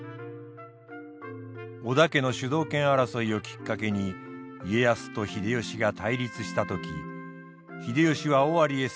織田家の主導権争いをきっかけに家康と秀吉が対立した時秀吉は尾張へ攻め入るために